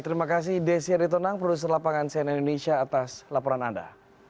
terima kasih juga delbaga abang begitu menang produser lapangan cnn indonesia atas laporan anda